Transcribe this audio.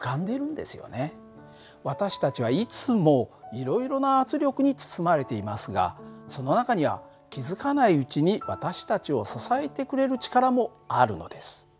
私たちはいつもいろいろな圧力に包まれていますがその中には気付かないうちに私たちを支えてくれる力もあるのです。